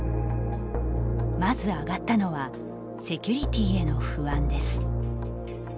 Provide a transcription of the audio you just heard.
まず上がったのはセキュリティーへの不安です。